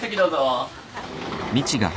はい。